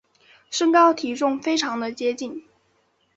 身高体重非常的接近